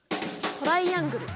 トライアングル。